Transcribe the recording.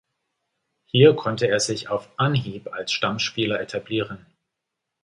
Hier konnte er sich auf Anhieb als Stammspieler etablieren.